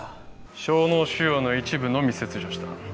小脳腫瘍の一部のみ切除した